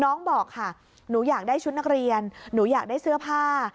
บอกค่ะหนูอยากได้ชุดนักเรียนหนูอยากได้เสื้อผ้า